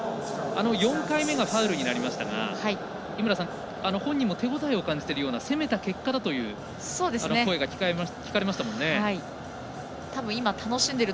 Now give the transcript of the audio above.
４回目がファウルになりましたが本人も手応えを感じているような攻めた結果という声が聞かれました。